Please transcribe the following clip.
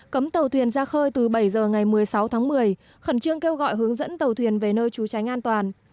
cấm tàu thuyền ra khơi từ bảy giờ ngày một mươi sáu tháng một mươi khẩn trương kêu gọi hướng dẫn tàu thuyền về nơi trú tránh an toàn